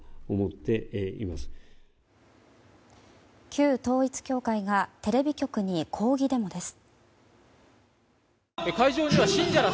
旧統一教会がテレビ局に抗議デモです。